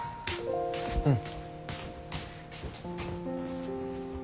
うん。